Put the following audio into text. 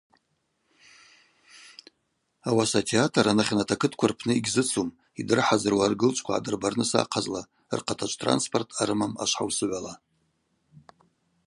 Ауаса атеатр анахьанат акытква рпны йгьзыцум йдрыхӏазыруа аргылчӏвква гӏадырбарныс ахъазла рхъатачӏв транспорт ъарымам ашвхӏаусыгӏвала.